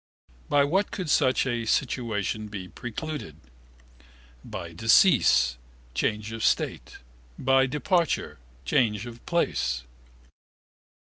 By what could such a situation be precluded? By decease (change of state): by departure (change of place).